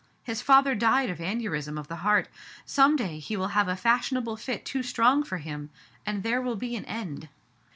His father died of aneurism of the heart. Some day he will have a fashionable fit too strong for him, and there will be an end."